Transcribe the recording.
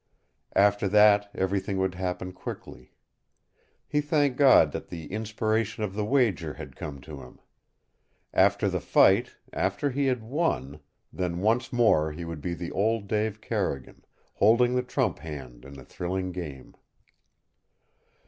After that everything would happen quickly. He thanked God that the inspiration of the wager had come to him. After the fight, after he had won, then once more would he be the old Dave Carrigan, holding the trump hand in a thrilling game.